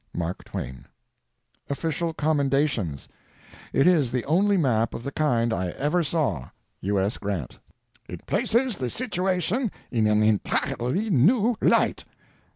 MARK TWAIN. OFFICIAL COMMENDATIONS. It is the only map of the kind I ever saw. U. S. GRANT. ____ It places the situation in an entirely new light.